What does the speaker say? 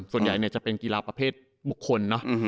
ที่ใหญ่จะเป็นกีฬาประเภทหมดคน